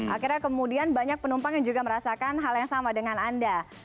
akhirnya kemudian banyak penumpang yang juga merasakan hal yang sama dengan anda